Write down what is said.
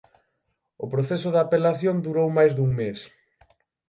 O proceso de apelación durou máis dun mes.